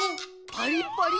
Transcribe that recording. パリッパリ。